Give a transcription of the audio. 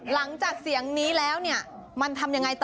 หลังจากเสียงนี้แล้วเนี่ยมันทำยังไงต่อ